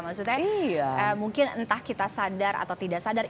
maksudnya mungkin entah kita sadar atau tidak sadar